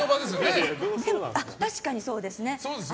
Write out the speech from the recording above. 確かにそうですね。